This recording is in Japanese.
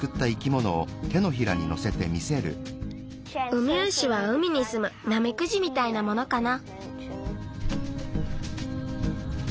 ウミウシは海にすむナメクジみたいなものかな。